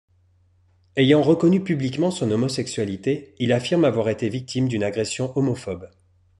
Ayant reconnu publiquement son homosexualité, il affirme avoir été victime d'une agression homophobe.